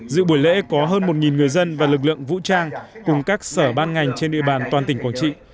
dự buổi lễ có hơn một người dân và lực lượng vũ trang cùng các sở ban ngành trên địa bàn toàn tỉnh quảng trị